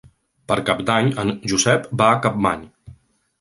Per Cap d'Any en Josep va a Capmany.